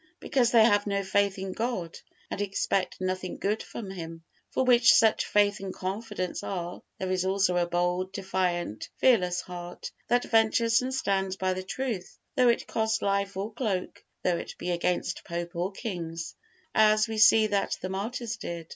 Because they have no faith in God, and expect nothing good from Him. For where such faith and confidence are, there is also a bold, defiant, fearless heart, that ventures and stands by the truth, though it cost life or cloak, though it be against pope or kings; as we see that the martyrs did.